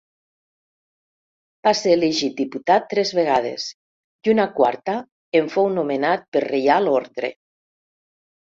Va ser elegit diputat tres vegades, i una quarta en fou nomenat per reial ordre.